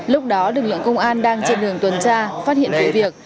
lúc đó lực lượng công an đang trên đường tuần tra phát hiện vụ việc